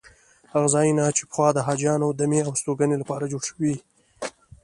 هغه ځایونه چې پخوا د حاجیانو دمې او استوګنې لپاره جوړ شوي.